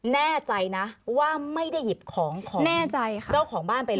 แน่ใจนะว่าไม่ได้หยิบของของเจ้าของบ้านไปเลย